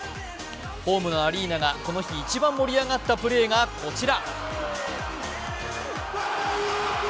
ホームのアリーナがこの日一番盛り上がったプレーがこちら。